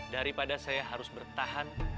daripada saya harus bertahan